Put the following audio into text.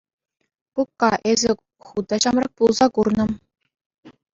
Кукка, эсӗ ху та ҫамрӑк пулса курнӑ.